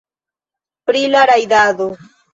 Pro la rajdado.